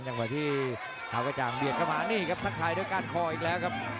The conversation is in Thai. จังหวะที่เท้ากระจ่างเบียดเข้ามานี่ครับทักทายด้วยก้านคออีกแล้วครับ